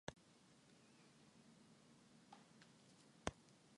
Eraso egiten dio bakterioen mintz zelularrari, bakterioak hiltzen.